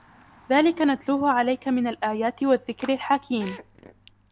ذلك نتلوه عليك من الآيات والذكر الحكيم